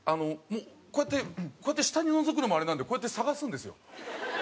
もうこうやってこうやって下にのぞくのもあれなんでこうやって探すんですよ。